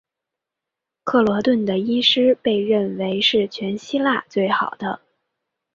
克罗顿的医师被认为是全希腊最好的。